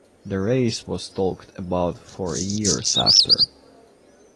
The race was talked about for years after.